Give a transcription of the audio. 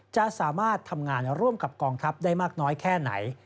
จะสามารถทำงานร่วมกับกองทัพได้มากน้อยแค่ไหน